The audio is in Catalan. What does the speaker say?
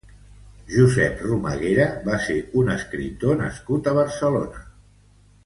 Josep Romaguera va ser un escriptor nascut a Barcelona.